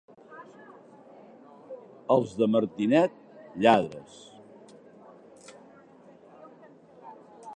Els de Martinet, lladres.